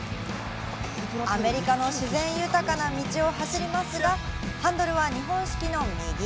アメリカの自然豊かな道を走りますが、ハンドルは日本式の右。